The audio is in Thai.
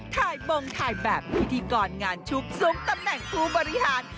ถ่ายบงถ่ายแบบพิธีกรงานชุกซุ้มตำแหน่งผู้บริหาร